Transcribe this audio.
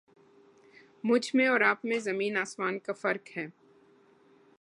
مجھ میں اور آپ میں زمیں آسمان کا فرق ہے